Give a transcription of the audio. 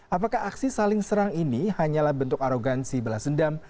apakah aksi saling serang ini hanyalah bentuk arogansi belasendam